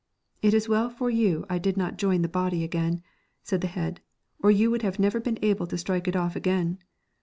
'It is well for you I did not join the body again,' said the head, ' or you would have never been able to strike it off again.'